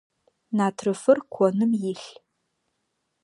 Натрыфыр коным илъ.